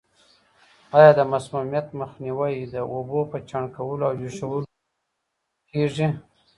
آیا د مسمومیت مخنیوی د اوبو په چاڼ کولو او جوشولو سره کیږي؟